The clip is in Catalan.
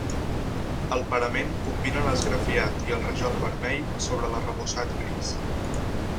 El parament combina l'esgrafiat i el rajol vermell sobre l'arrebossat gris.